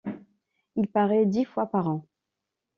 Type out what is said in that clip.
Il paraît dix fois par an.